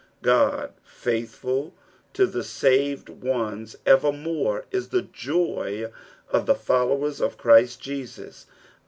God faithful to the saved ones evermore is the joy of the followers of Christ Jesus.